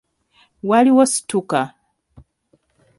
Waliwo situka.